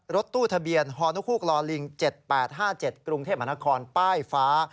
รถตู้ทะเบียนฮนุฮกลลิง๗๘๕๗กรุงเทพมหานครป้ายฟ้า